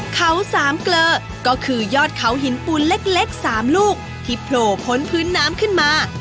เขาสามเกลอก็คือยอดเขาหินปูนเล็ก๓ลูกที่โผล่พ้นพื้นน้ำขึ้นมา